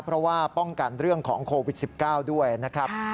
เพราะว่าป้องกันเรื่องของโควิด๑๙ด้วยนะครับ